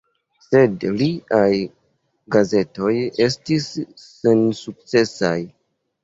Sed liaj petegoj restis sensukcesaj.